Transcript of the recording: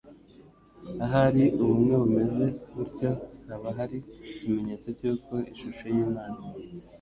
Ahari ubumwe bumeze, butyo, haba hari ikimenyetso cy'uko ishusho y'Imana-